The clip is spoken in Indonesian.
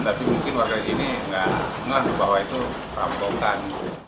tapi mungkin warga di sini nggak ngadu bahwa itu perampokan